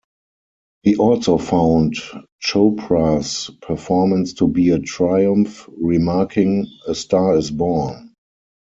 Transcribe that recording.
He also found Chopra's performance to be a triumph, remarking: A star is born!